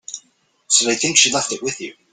So they think she left it with you.